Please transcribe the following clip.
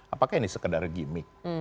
apakah ini sekadar gimmick